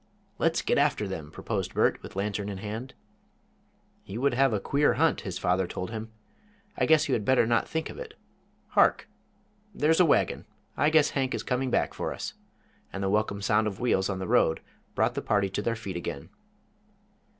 "Let's get after them," proposed Bert, with lantern in hand. "You would have a queer hunt," his father told him; "I guess you had better not think of it. Hark! there's a wagon! I guess Hank is coming back to us," and the welcome sound of wheels on the road brought the party to their feet again.